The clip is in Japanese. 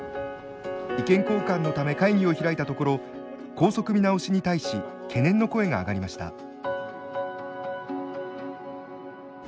意見交換のため会議を開いたところ校則見直しに対し懸念の声が上がりました。